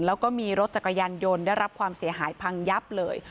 แล้วก็มีรถจักรยานยนต์ได้รับความเสียหายพังยับเลย